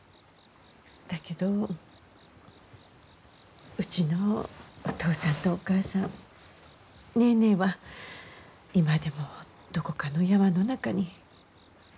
だけどうちのお父さんとお母さんネーネーは今でもどこかの山の中に。